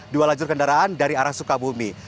dua lajur kendaraan dari arah sukabumi